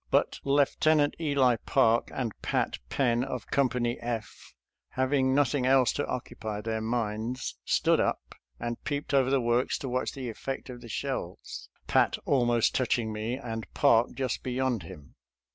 But Lieutenant TEXANS IN VIRGINIA 255 Eli Park and Pat Penn, of Company F, having nothing else to occupy their minds, stood up and peeped over the works to watch the effect of the shells, Pat almost touching me, and Park just beyond him.